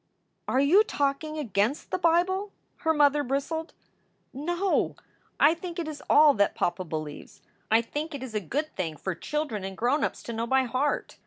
"Are you talking against the Bible?" her mother bristled. "No, I think it is all that papa believes. I think it is a good thing for children and grown ups to know by heart.